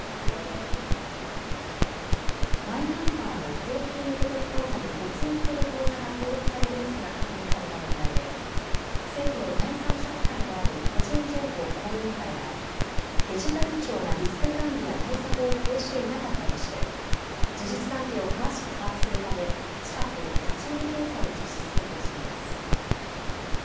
マイナンバーの公金受取口座に別の人の口座が登録されるミスが確認された問題で政府の第三者機関である個人情報保護委員会はデジタル庁がリスク管理や対策を講じていなかったとして事実関係を詳しく把握するため近く立ち入り検査を実施する方針です。